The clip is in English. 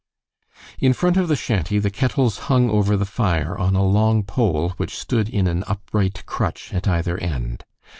In front of the shanty the kettles hung over the fire on a long pole which stood in an upright crutch at either end.